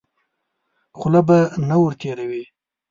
خوله به نه ور تېروې.